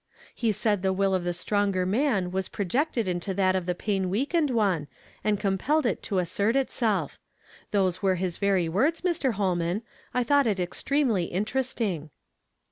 He said the will of the stronger man was projected into that of the pain weakened one, and compelled it to assert itself. Those were his very words, Mr. Holman ; I thought it extremely interesting."